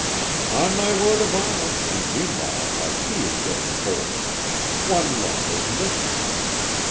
"On my word of honor, and meanwhile our tea is getting cold. One lump, isn't it?"